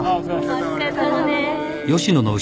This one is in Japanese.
お疲れさまです。